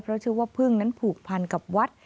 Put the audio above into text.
เพราะเชื่อว่าพึ่งนั้นผูกพันกับวัด